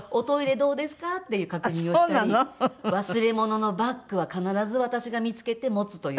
どうですか？っていう確認をしたり忘れ物のバッグは必ず私が見付けて持つというですね